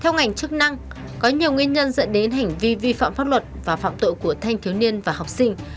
theo ngành chức năng có nhiều nguyên nhân dẫn đến hành vi vi phạm pháp luật và phạm tội của thanh thiếu niên và học sinh